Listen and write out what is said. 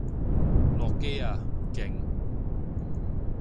落機啊！勁！